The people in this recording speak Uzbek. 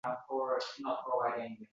Uni suyib, kuygan erlarni.